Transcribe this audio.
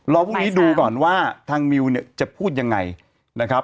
พรุ่งนี้ดูก่อนว่าทางมิวเนี่ยจะพูดยังไงนะครับ